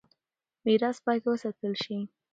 ميراث بايد وساتل شي.